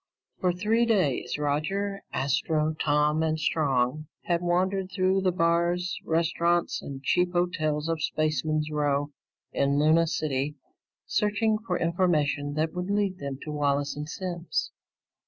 For three days, Roger, Astro, Tom, and Strong had wandered through the bars, restaurants, and cheap hotels of Spaceman's Row in Luna City searching for information that would lead them to Wallace and Simms.